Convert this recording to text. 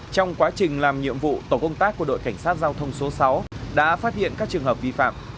trong quá trình làm nhiệm vụ tổ công tác của đội cảnh sát giao thông số sáu đã phát hiện các trường hợp vi phạm